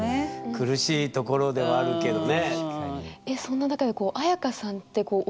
苦しいところではあるけどね。